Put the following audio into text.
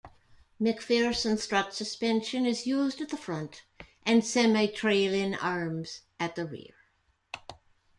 MacPherson strut suspension is used at the front and semi-trailing arms at the rear.